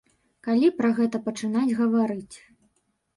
Калі пра гэта пачынаць гаварыць.